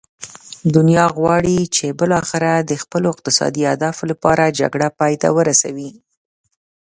دنیا غواړي چې بالاخره د خپلو اقتصادي اهدافو لپاره جګړه پای ته ورسوي.